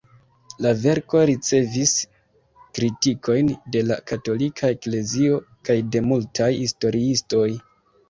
La verko ricevis kritikojn de la Katolika Eklezio kaj de multaj historiistoj.